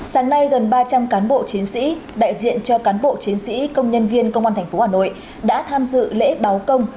sáng nay gần ba trăm linh cán bộ chiến sĩ đại diện cho cán bộ chiến sĩ công nhân viên công an tp hà nội đã tham dự lễ báo công